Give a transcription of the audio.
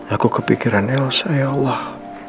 aku kepikiran elsa ya allah